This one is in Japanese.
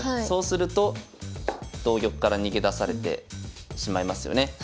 そうすると同玉から逃げ出されてしまいますよね。